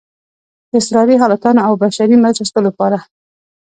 د اضطراري حالاتو او بشري مرستو لپاره